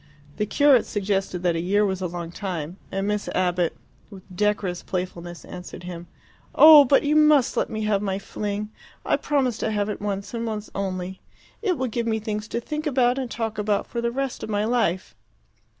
The curate suggested that a year was a long time; and Miss Abbott, with decorous playfulness, answered him, "Oh, but you must let me have my fling! I promise to have it once, and once only. It will give me things to think about and talk about for the rest of my life."